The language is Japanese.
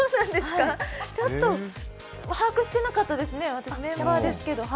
ちょっと把握してなかったですね、私、メンバーですけど。